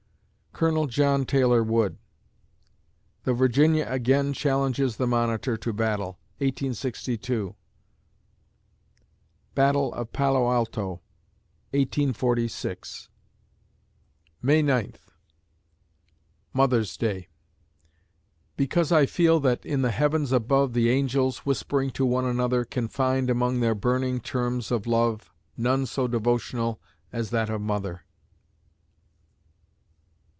COL. JOHN TAYLOR WOOD The "Virginia" again challenges the "Monitor" to battle, 1862 Battle of Palo Alto, 1846 May Ninth MOTHERS' DAY Because I feel that, in the Heavens above The angels, whispering to one another, Can find, among their burning terms of love, None so devotional as that of "Mother."